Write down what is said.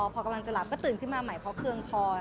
พอกำลังจะหลับก็ตื่นขึ้นมาใหม่เพราะเครื่องคอ